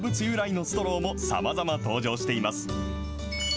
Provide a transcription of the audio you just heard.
由来のストローもさまざま登場しています。